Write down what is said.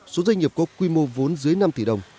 số doanh nghiệp có quy mô vốn dưới năm tỷ đồng